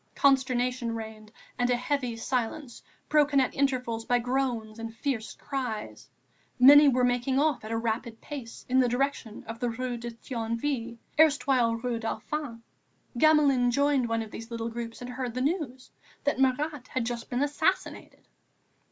Consternation reigned and a heavy silence, broken at intervals by groans and fierce cries. Many were making off at a rapid pace in the direction of the Rue de Thionville, erstwhile Rue Dauphine; Gamelin joined one of these groups and heard the news that Marat had just been assassinated.